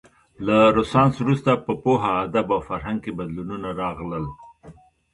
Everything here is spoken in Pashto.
له رنسانس وروسته په پوهه، ادب او فرهنګ کې بدلونونه راغلل.